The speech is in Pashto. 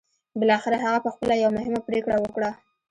بالاخره هغه پخپله يوه مهمه پرېکړه وکړه.